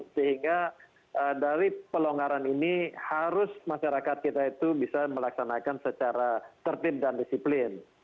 sehingga dari pelonggaran ini harus masyarakat kita itu bisa melaksanakan secara tertib dan disiplin